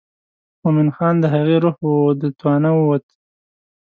مومن خان د هغې روح و د توانه ووته.